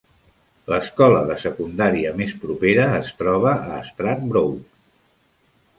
L'escola de secundària més propera es troba a Stradbroke.